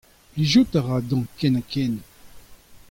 Plijout a ra dezhañ ken-ha-ken.